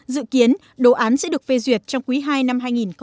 dự kiến đồ án sẽ được phê duyệt trong quý ii năm hai nghìn một mươi tám